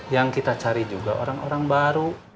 yang kita cari juga orang orang baru